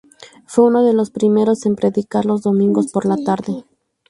Fue uno de los primeros en predicar los domingos por la tarde.